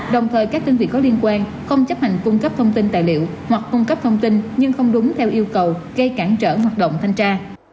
đồng thời các đơn vị có liên quan không chấp hành cung cấp thông tin tài liệu hoặc cung cấp thông tin nhưng không đúng theo yêu cầu gây cản trở hoạt động thanh tra